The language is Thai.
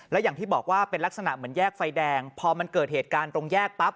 และอย่างที่บอกว่าเป็นลักษณะเหมือนแยกไฟแดงพอมันเกิดเหตุการณ์ตรงแยกปั๊บ